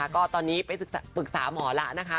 แต่ตอนนี้ไปปรึกษาหมอละนะคะ